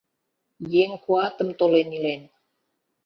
Еҥ куатым толен илен